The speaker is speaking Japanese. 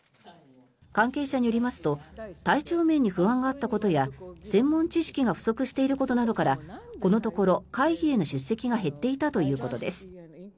関係者によりますと体調面に不安があったことや専門知識が不足していることなどからこのところ、会議への出席が減っていたということです。